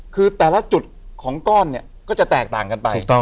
คือแต่ละจุดของก้อนเนี่ยก็จะแตกต่างกันไป